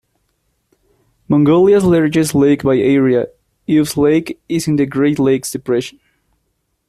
Mongolia's largest lake by area, Uvs Lake is in the Great Lakes Depression.